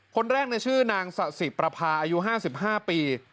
คนแรกในชื่อนางศสิภรภาอายุ๕๕ปี